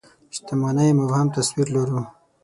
شتمنۍ مبهم تصوير لرو.